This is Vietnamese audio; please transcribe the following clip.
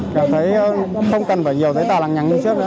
cảm thấy không cần phải nhiều giấy tạo lắng nhắn như trước